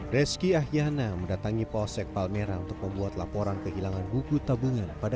reski ahyana mendatangi polsek palmera untuk membuat laporan kehilangan buku tabungan pada